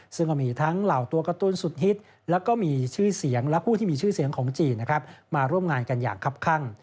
ซึ่งก็มีทั้งเหล่าตัวการ์ตูนสุดฮิตและผู้ที่มีชื่อเสียงของจีนมาร่วมงานกันอย่างครับข้าง